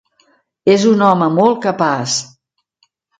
És un home molt capaç.